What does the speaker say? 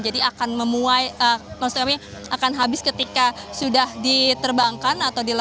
jadi akan habis ketika sudah diterbangkan